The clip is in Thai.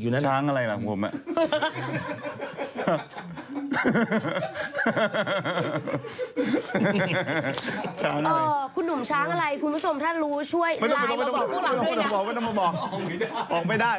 คุณหนุ่มช้างอะไรพสมช่วยไลน์มมาบอกพวกเราด้วย